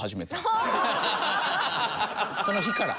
その日から。